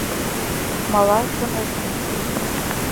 Мала, шонет мо?